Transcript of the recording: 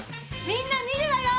みんな見るわよ！